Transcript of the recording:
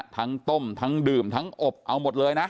ต้มทั้งดื่มทั้งอบเอาหมดเลยนะ